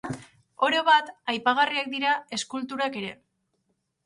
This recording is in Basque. Orobat, aipagarriak dira eskulturak ere.